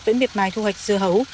vẫn việc mài thu hoạch dưa hấu